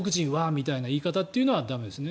みたいな言い方というのは駄目ですね。